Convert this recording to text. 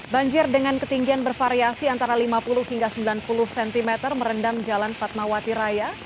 banjir dengan ketinggian bervariasi antara lima puluh hingga sembilan puluh cm merendam jalan fatmawati raya